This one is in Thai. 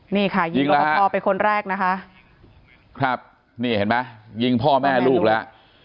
นี่ค่ะยิงรบพอเป็นคนแรกนะคะครับนี่เห็นไหมยิงพ่อแม่ลูกแล้ว